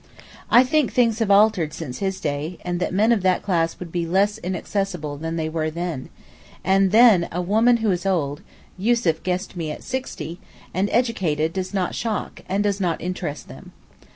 I think things have altered since his day, and that men of that class would be less inaccessible than they were then; and then a woman who is old (Yussuf guessed me at sixty) and educated does not shock, and does interest them.